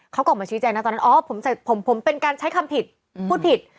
เขาก็ออกมาชี้แจงนะตอนนั้นอ๋อผมเป็นการใช้คำผิดพูดผิด